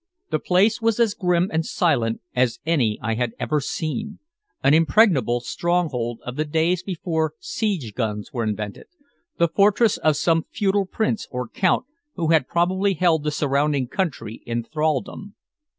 The place was as grim and silent as any I had ever seen, an impregnable stronghold of the days before siege guns were invented, the fortress of some feudal prince or count who had probably held the surrounding country in thraldom.